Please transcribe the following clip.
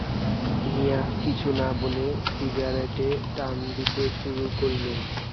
মিয়া কিছু না-বলে সিগারেটে টান দিতে শুরু করলেন।